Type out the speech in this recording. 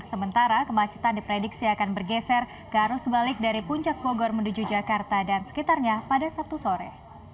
sementara kemacetan diprediksi akan bergeser ke arus balik dari puncak bogor menuju jakarta dan sekitarnya pada sabtu sore